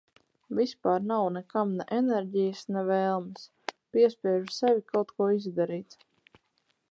Vispār nav nekam ne enerģijas ne vēlmes. Piespiežu sevi kaut ko izdarīt.